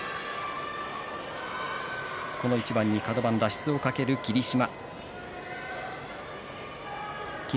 この一番にカド番脱出を懸ける霧島。